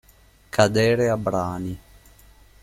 Cadere a brani.